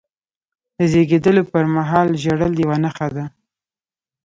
د زیږېدلو پرمهال ژړل یوه نښه ده.